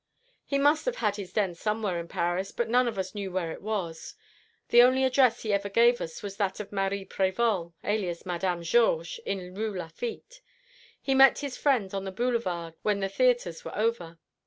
"He must have had his den somewhere in Paris; but none of us knew where it was. The only address he ever gave was that of Marie Prévol, alias Madame Georges, in the Rue Lafitte. He met his friends on the Boulevard when the theatres were over.